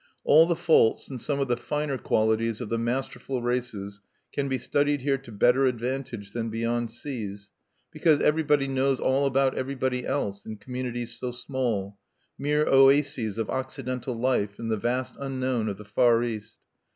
All the faults and some of the finer qualities of the masterful races can be studied here to better advantage than beyond seas, because everybody knows all about everybody else in communities so small, mere oases of Occidental life in the vast unknown of the Far East.